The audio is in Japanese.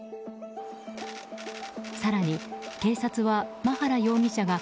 更に警察は、馬原容疑者が